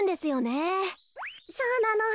そうなの。